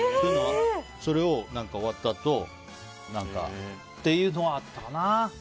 それを終わったあとっていうのはあったかな。